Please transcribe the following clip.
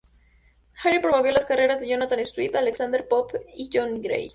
Harley promovió las carreras de Jonathan Swift, Alexander Pope, y John Gay.